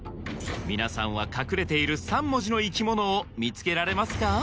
皆さんは隠れている３文字の生き物を見つけられますか？